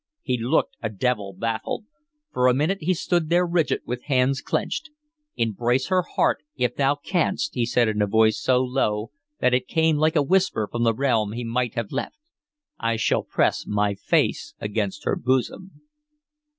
He looked a devil baffled. For a minute he stood there rigid, with hands clenched. "Embrace her heart, if thou canst," he said, in a voice so low that it came like a whisper from the realm he might have left. "I shall press my face against her bosom."